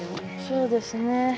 そうですね。